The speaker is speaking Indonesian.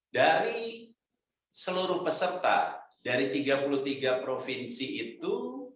dari seluruh peserta dari tiga puluh tiga provinsi itu